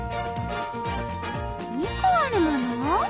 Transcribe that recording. ２こあるもの？